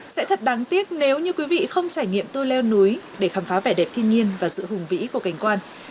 sẽ thật đáng tiếc nếu như quý vị không trải nghiệm tôi leo núi để khám phá vẻ đẹp thiên nhiên và sự hùng vĩ của cảnh quan